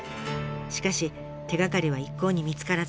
しかし手がかりは一向に見つからず。